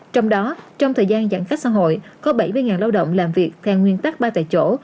trong đó trong thời gian giãn cách xã hội có bảy mươi lao động làm việc theo nguyên tắc ba tại chỗ